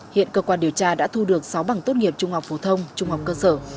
hiện cơ quan điều tra đã thu được sáu bằng tốt nghiệp trung học phổ thông trung học cơ sở